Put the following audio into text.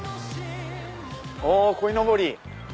こいのぼり！